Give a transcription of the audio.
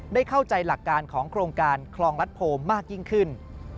ได้เข้าใจหลักการของโครงการคลองรัฐโพมากยิ่งขึ้น